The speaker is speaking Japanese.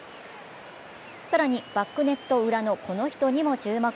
更に、バックネット裏のこの人にも注目。